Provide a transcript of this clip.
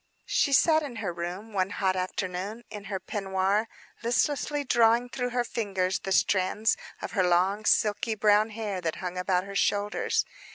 She sat in her room, one hot afternoon, in her peignoir, listlessly drawing through her fingers the strands of her long, silky brown hair that hung about her shoulders.